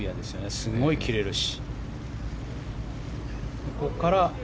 すごい切れるし。